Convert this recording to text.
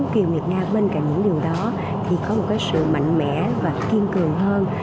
tiên nguyệt nga bên cạnh những điều đó thì có một cái sự mạnh mẽ và kiên cường hơn